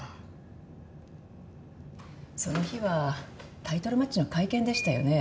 その日はタイトルマッチの会見でしたよね。